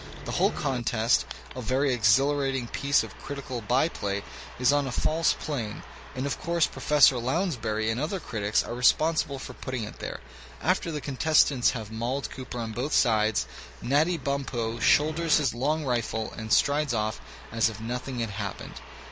The whole contest, a very exhilarating piece of critical by play, is on a false plane, and of course Digitized by Google 40 THE SPIRIT OP AMERICAN LITERATURE Professor Lounsbuiy and other critics are responsible for putting it there. After the contestants have n^aiiled Cooper on both sides. Natty Bumppo shoulders his long rifle and strides off as if nothing had happened.